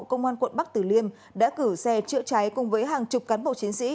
công an quận bắc từ liên đã cử xe chữa cháy cùng với hàng chục cán bộ chiến sĩ